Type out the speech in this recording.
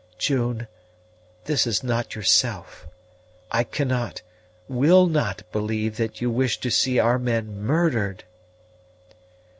"June, this is not yourself. I cannot, will not believe that you wish to see our men murdered!"